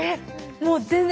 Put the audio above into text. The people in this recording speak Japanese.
もう全然。ね？